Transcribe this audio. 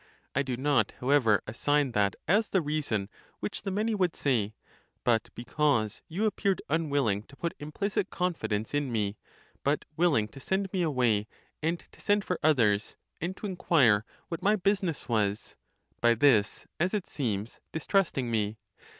I do not however assign that as the reason which the many would say, but because you appeared unwilling to put implicit confidencein me; but willing to send me away and to send for others, and to inquire what my busi ness was, by this, as it seems, distrusting me.